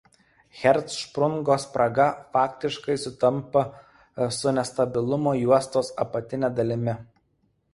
Hercšprungo spraga faktiškai sutampa su nestabilumo juostos apatine dalimi.